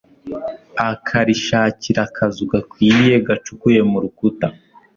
akarishakira akazu gakwiye gacukuye mu rukuta